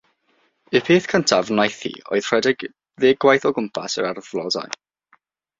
Y peth cyntaf wnaeth hi oedd rhedeg ddeg gwaith o gwmpas yr ardd flodau.